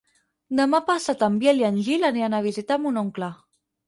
Demà passat en Biel i en Gil aniran a visitar mon oncle.